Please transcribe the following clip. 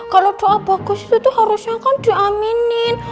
kalau doa bagus itu harusnya kan di aminin